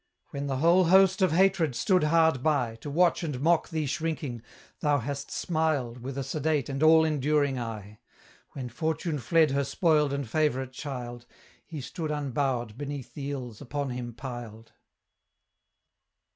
When the whole host of hatred stood hard by, To watch and mock thee shrinking, thou hast smiled With a sedate and all enduring eye; When Fortune fled her spoiled and favourite child, He stood unbowed beneath the ills upon him piled.